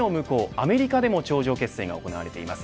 アメリカでも頂上決戦が行われています。